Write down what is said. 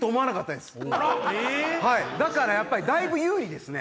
だからやっぱだいぶ有利ですね。